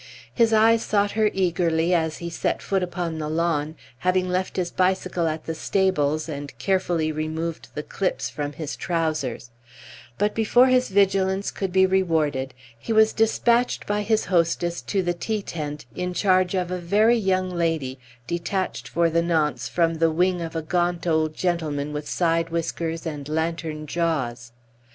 His eye sought her eagerly as he set foot upon the lawn, having left his bicycle at the stables, and carefully removed the clips from his trousers; but before his vigilance could be rewarded he was despatched by his hostess to the tea tent, in charge of a very young lady, detached for the nonce from the wing of a gaunt old gentleman with side whiskers and lantern jaws.